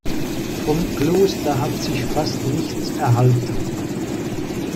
Vom Kloster hat sich fast nichts erhalten.